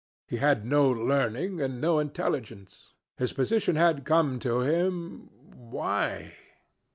He had no learning, and no intelligence. His position had come to him why?